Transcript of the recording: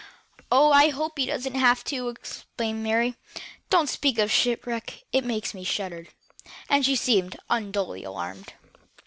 "Oh, I hope he doesn't have to!" exclaimed Mary. "Don't speak of shipwrecks! It makes me shudder," and she seemed unduly alarmed.